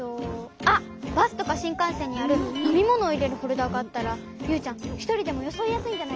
あっバスとかしんかんせんにあるのみものをいれるホルダーがあったらユウちゃんひとりでもよそいやすいんじゃないかな。